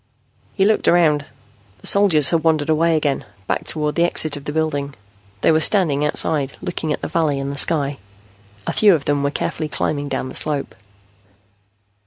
He looked around. The soldiers had wandered away again, back toward the exit of the building. They were standing outside, looking at the valley and the sky. A few of them were carefully climbing down the slope.